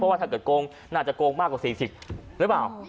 เพราะว่าถ้าเกิดโกงน่าจะโกงมากกว่า๔๐บาท